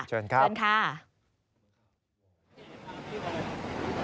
เชิญครับ